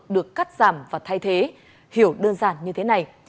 được cắt giảm và thay thế hiểu đơn giản như thế này